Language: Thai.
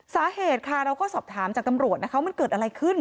สาเหตุค่ะเราก็สอบถามจากตำรวจนะคะมันเกิดอะไรขึ้น